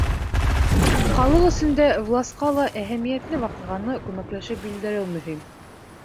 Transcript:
Халыҡ өсөн дә, власҡа ла әһәмиәтле ваҡиғаны күмәкләшеп билдәләү мөһим.